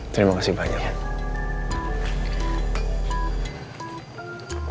terima kasih banyak